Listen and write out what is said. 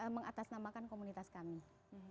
mengatasnamakan komunitas kami